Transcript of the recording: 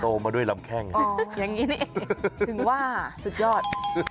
โตมาด้วยลำแข้งถึงว่าสุดยอด